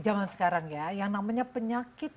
zaman sekarang ya yang namanya penyakit